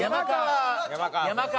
山川。